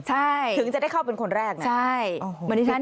ถึงจะได้เข้าเป็นคนแรกนะโอ้โฮฟิตมากฟิตมากใช่